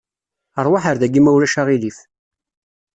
Aṛwaḥ ar daki ma ulac aɣilif.